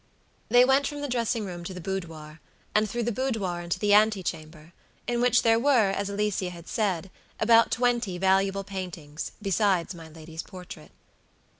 They went from the dressing room to the boudoir, and through the boudoir into the ante chamber, in which there were, as Alicia had said, about twenty valuable paintings, besides my lady's portrait.